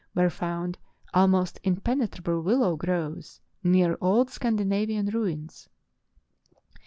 were found almost impenetrable willow groves near old Scandina vian ruins.